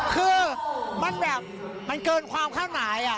คือมันแบบมันเกินความคาดหมาย